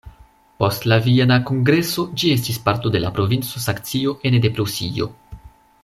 Post la Viena kongreso ĝi estis parto de la Provinco Saksio ene de Prusio.